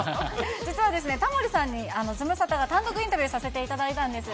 実はですね、タモリさんにズムサタが単独インタビューさせていただいたんです。